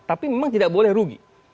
tapi memang tidak boleh rugi